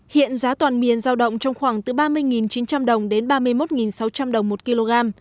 hiện giá toàn miền giao động trong khoảng từ ba mươi chín trăm linh đồng đến ba mươi một sáu trăm linh đồng một kg